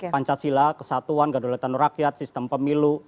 pancasila kesatuan gadulatan rakyat sistem pemilu